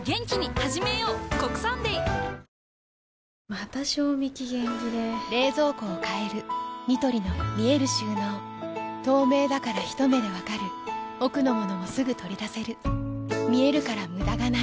また賞味期限切れ冷蔵庫を変えるニトリの見える収納透明だからひと目で分かる奥の物もすぐ取り出せる見えるから無駄がないよし。